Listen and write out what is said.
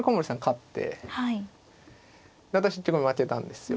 勝って私結局負けたんですよ。